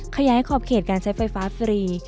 ขยายขอบเขตการใช้ไฟฟ้าฟรี